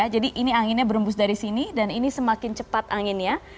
jadi ini anginnya bermbus dari sini dan ini semakin cepat anginnya